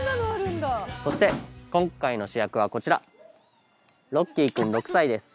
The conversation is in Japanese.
そして今回の主役はこちらロッキーくん６歳です